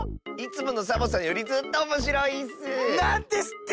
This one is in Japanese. いつものサボさんよりずっとおもしろいッス！